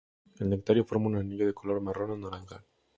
El nectario forma un anillo de color marrón o naranja.